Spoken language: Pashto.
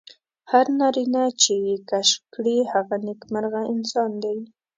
هر نارینه چې یې کشف کړي هغه نېکمرغه انسان دی.